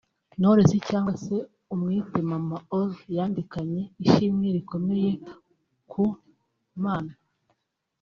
Knowless cyangwa se umwite Mama ‘Or’ yandikanye ishimwe rikomeye ku Mana